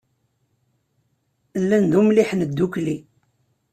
Llan d umliḥen ddukkli.